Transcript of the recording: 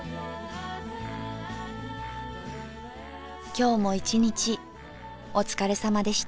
今日も一日お疲れさまでした。